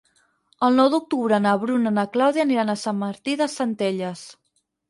El nou d'octubre na Bruna i na Clàudia aniran a Sant Martí de Centelles.